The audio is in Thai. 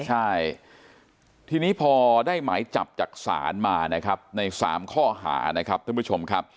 ใช่ทีนี้พอได้หมายจับจากศาลมานะครับใน๓ข้อหานะครับท่านผู้ชมครับ